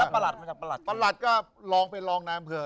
ประหลัดก็ลองไปลองน้ำเผือก